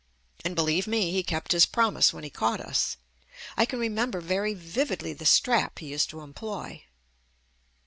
And believe me, he kept his promise when he caught us. I can remember very vividly the strap he used to employ.